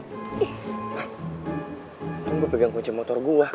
kan itu gue pegang kunci motor gue